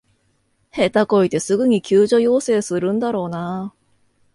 下手こいてすぐに救助要請するんだろうなあ